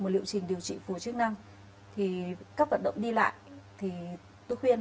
một liệu trình điều trị phù hợp chức năng